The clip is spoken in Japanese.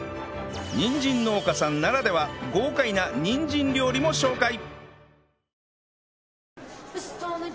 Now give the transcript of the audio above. にんじん農家さんならでは豪快なにんじん料理も紹介！